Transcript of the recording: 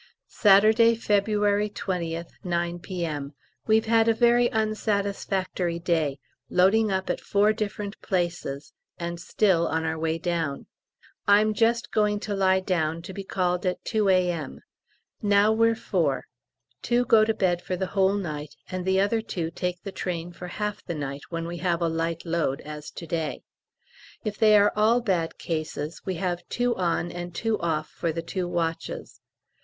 Saturday, February 20th, 9 P.M. We've had a very unsatisfactory day, loading up at four different places, and still on our way down. I'm just going to lie down, to be called at 2 A.M. Now we're four: two go to bed for the whole night and the other two take the train for half the night when we have a light load, as to day. If they are all bad cases, we have two on and two off for the two watches.